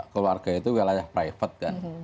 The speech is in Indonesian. keluarga itu wilayah private kan